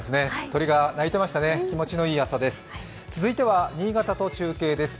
鳥が鳴いてましたね、気持ちのいい朝です。